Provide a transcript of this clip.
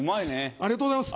ありがとうございます。